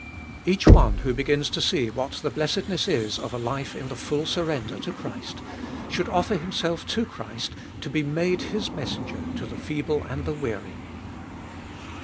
Each one who begins to see what the blessedness is of a life in the full surrender to Christ should offer himself to Christ, to be made His messenger to the feeble and the weary.